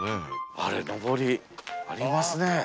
あれのぼりありますね。